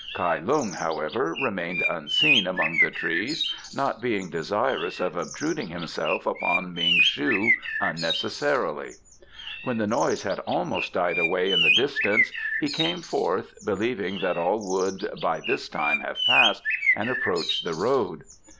Kai Lung, however, remained unseen among the trees, not being desirous of obtruding himself upon Ming shu unnecessarily. When the noise had almost died away in the distance he came forth, believing that all would by this time have passed, and approached the road.